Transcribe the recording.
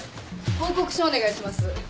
報告書お願いします。